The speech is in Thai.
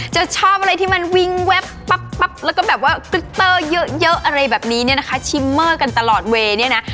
จะชอบอะไรที่มันวิ่งแว๊บปั๊บแล้วก็แบบว่ากริตเตอร์เยอะเยอะอะไรแบบนี้เนี่ยนะคะชิมเมอร์กันตลอดเวย์เนี่ยนะ